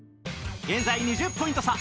現在２０ポイント差